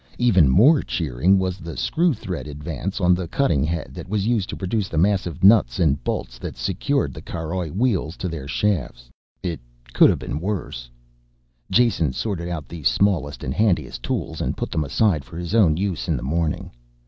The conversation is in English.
Even more cheering was the screw thread advance on the cutting head that was used to produce the massive nuts and bolts that secured the caroj wheels to their shafts. It could have been worse. Jason sorted out the smallest and handiest tools and put them aside for his own use in the morning.